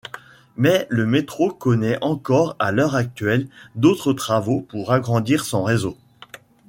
Mais le métro connaît encore à l'heure actuelle d'autres travaux pour agrandir son réseau.